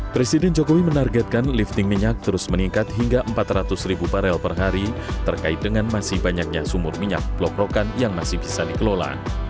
presiden jokowi menargetkan lifting minyak terus meningkat hingga empat ratus ribu barel per hari terkait dengan masih banyaknya sumur minyak blok rokan yang masih bisa dikelola